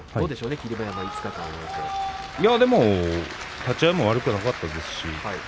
霧馬山、立ち合い悪くなかったです。